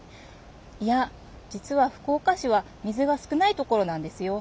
いや実は福岡市は水が少ないところなんですよ。